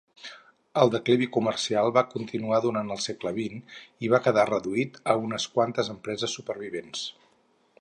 El declivi comercial va continuar durant el segle XX i va quedar reduït a unes quantes empreses supervivents.